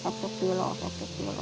satu tereset satu kilo